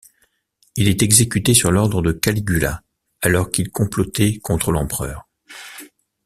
Il est exécuté sur l'ordre de Caligula alors qu'il complotait contre l'empereur.